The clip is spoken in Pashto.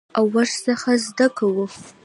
او ورڅخه زده کوو.